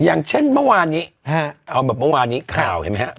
อย่างเช่นเมื่อวานนี้เอาแบบเมื่อวานนี้ข่าวเห็นไหมฮะ